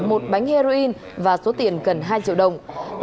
một bánh heroin và số tiền gần hai triệu đồng